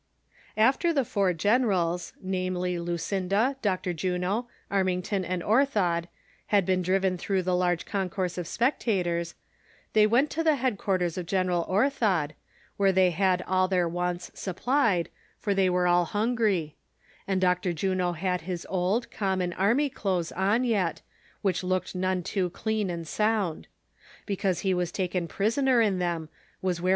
After the four generals, namely: Lucinda, Dr. Juno, Armington and Orthod, had been driven through tlie huge concourse of si^ectators, they went to the headquarters of General Orthod, where they had all their wants supplied, for they were all hungry ; and Dr. Juno had his old, com mon army clotlies on yet, which looked none too clean and sound ; because he was taken prisoner in them, was wear THE COXSPIEATORS AND LOVERS.